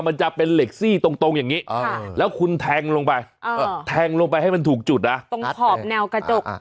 มันจะเป็นเหล็กซี่ตรงอย่างนี้แล้วคุณแทงลงไปแทงลงไปให้มันถูกจุดนะตรงขอบแนวกระจก